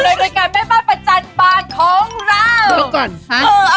โดยรายการแม่บ้านประจันบันของเราเรียกก่อนค่ะ